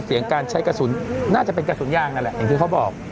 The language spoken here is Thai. เสียงการใช้กระสุนน่าจะเป็นกระสุนยางนั่นแหละอย่างที่เขาบอก